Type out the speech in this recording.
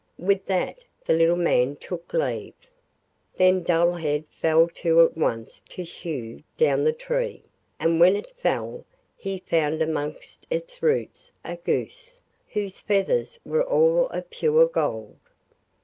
With that the little man took leave. Then Dullhead fell to at once to hew down the tree, and when it fell he found amongst its roots a goose, whose feathers were all of pure gold.